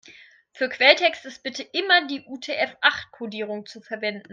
Für Quelltext ist bitte immer die UTF-acht-Kodierung zu verwenden.